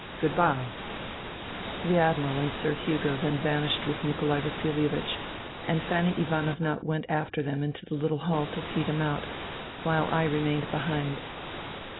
Good bye." The Admiral and Sir Hugo then vanished with Nikolai Vasilievich, and Fanny Ivanovna went after them into the little hall to see them out, wliile I remained behind.